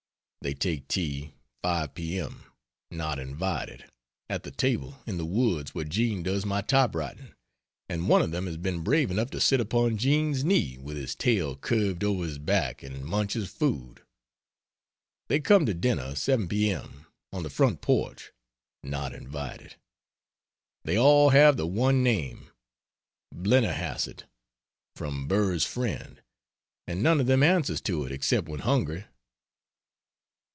They take tea, 5 p. m., (not invited) at the table in the woods where Jean does my typewriting, and one of them has been brave enough to sit upon Jean's knee with his tail curved over his back and munch his food. They come to dinner, 7 p. m., on the front porch (not invited). They all have the one name Blennerhasset, from Burr's friend and none of them answers to it except when hungry.